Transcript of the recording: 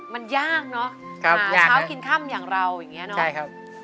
มันยากเนอะหาเช้ากินค่ำอย่างเราอย่างนี้เนาะ